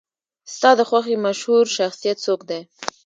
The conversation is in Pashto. ستا د خوښې مشهور شخصیت څوک دی؟